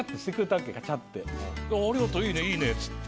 「ありがとう！いいねいいね！」っつって。